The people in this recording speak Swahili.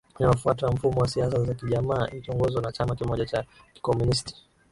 Inayofuata mfumo wa siasa za kijamaa ikiongozwa na chama kimoja cha Kikomunisti